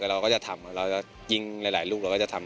เราก็จะทำเราจะยิงหลายลูกเราก็จะทำ